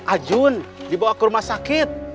ajun dibawa ke rumah sakit